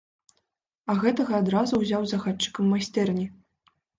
А гэтага адразу ўзяў загадчыкам майстэрні.